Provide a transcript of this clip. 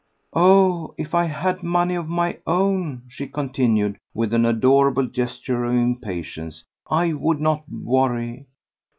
"Oh! if I had money of my own," she continued, with an adorable gesture of impatience, "I would not worry.